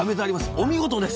お見事です